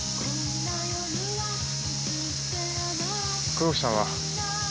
黒木さんは？